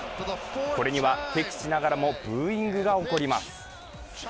これには敵地ながらもブーイングが起こります。